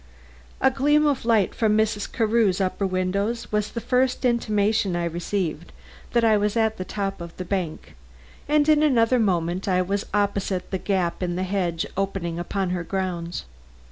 A gleam of light from Mrs. Carew's upper windows was the first intimation I received that I was at the top of the bank, and in another moment I was opposite the gap in the hedge opening upon her grounds.